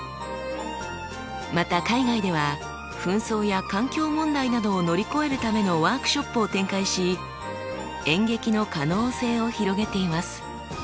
また海外では紛争や環境問題などを乗り越えるためのワークショップを展開し演劇の可能性を広げています。